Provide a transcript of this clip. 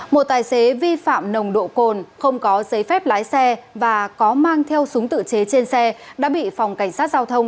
một tài xế vi phạm nồng độ cồn không có giấy phép lái xe và có mang theo súng tự chế trên xe đã bị phòng cảnh sát giao thông